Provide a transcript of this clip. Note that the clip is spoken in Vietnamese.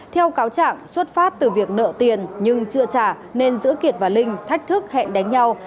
theo cáo trạng xuất phát từ việc nợ tiền nhưng chưa trả nên giữa kiệt và linh thách thức hẹn đánh nhau